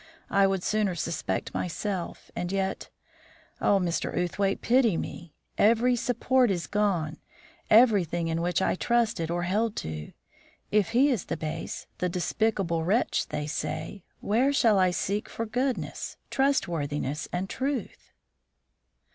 I would sooner suspect myself, and yet oh, Mr. Outhwaite, pity me! Every support is gone; everything in which I trusted or held to. If he is the base, the despicable wretch they say, where shall I seek for goodness, trustworthiness, and truth?"